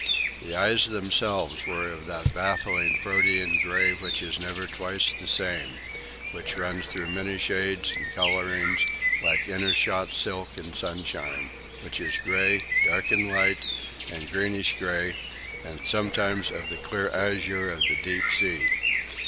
The eyes themselves were of that baffling protean grey which is never twice the same; which runs through many shades and colourings like intershot silk in sunshine; which is grey, dark and light, and greenish grey, and sometimes of the clear azure of the deep sea.